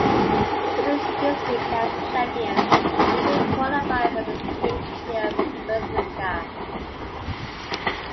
Finishing this league as champions, the team qualified for the sixth-tier Bezirksliga.